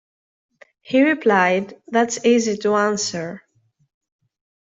He replied, That's easy to answer.